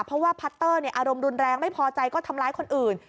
เพราะว่าพัตเตอร์อารมณ์รุนแรงไม่พอใจก็ทำร้ายคนอื่น